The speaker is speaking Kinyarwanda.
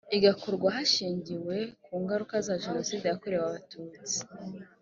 igakorwa hashingiwe ku ngaruka za jenoside yakorewe abatutsi